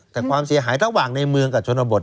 แต่ความเสียหายระหว่างในเมืองกับชนบท